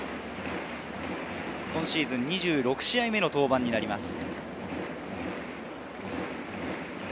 今シーズン２６試合目の登板です。